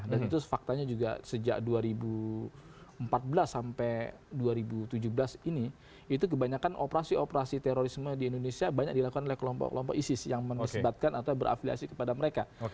dan itu faktanya juga sejak dua ribu empat belas sampai dua ribu tujuh belas ini itu kebanyakan operasi operasi terorisme di indonesia banyak dilakukan oleh kelompok kelompok isis yang menyebabkan atau berafiliasi kepada mereka